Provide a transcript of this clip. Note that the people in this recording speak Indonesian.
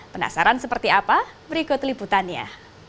penasaran seperti apa berikut liputannya